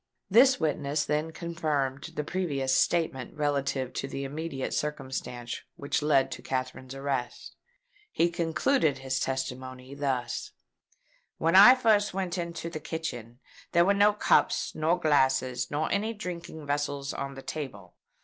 This witness then confirmed the previous statement relative to the immediate circumstances which led to Katherine's arrest. He concluded his testimony thus: "When I first went into the kitchen, there were no cups, nor glasses, nor any drinking vessels on the table.